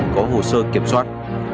có hồ sơ kiểm soát